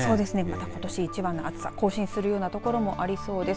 ことし一番の暑さ更新するようなところもありそうです。